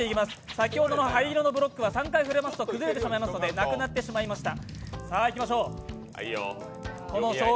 先ほどの灰色のブロックは３回触れますと崩れてしまいますのでなくなってしまいました。